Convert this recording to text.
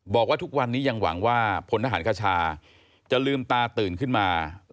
บอกว่าทุกวันนี้ยังหวังว่าพลทหารคชาจะลืมตาตื่นขึ้นมา